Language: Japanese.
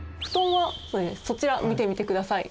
そちら見てみてください。